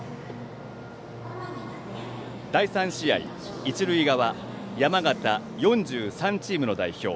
第３試合、一塁側山形４３チームの代表